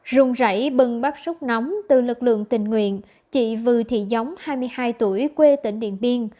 rung rảy bừng bắp sốc nóng từ lực lượng tình nguyện chị vừa thì giống hai mươi hai tuổi quê tỉnh điện biên